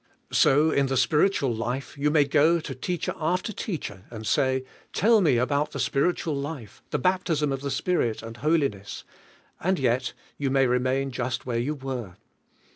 So, 'n the spiritual life, you may go to teacher after jeacher, and say, "Tell me about the spiritual .ife, the baptism of the Spirit, and holiness," and yet you may remain just where you were.